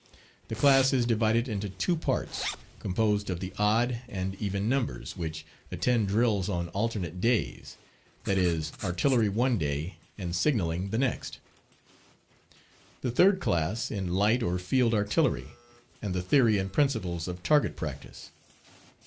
The class is divided into two parts, composed of the odd and even numbers, which attend drills on alternate days that is, artillery one day and signalling the next; the third class in light or field artillery, and the theory and principles of "target practice."